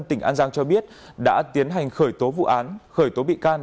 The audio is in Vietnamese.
tỉnh an giang cho biết đã tiến hành khởi tố vụ án khởi tố bị can